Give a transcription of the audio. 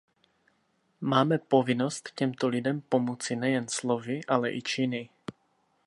Máme povinnost těmto lidem pomoci nejen slovy, ale i činy.